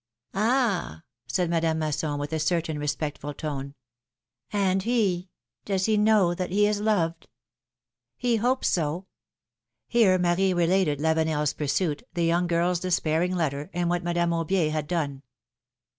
*^Ah !" said Madame Masson, with a certain respectful tone. ^'And he — does he know that he is loved?" He hopes so." Here Marie related Lavenel's pursuit, the young girl's despairing letter, and what Madame Aubier had done.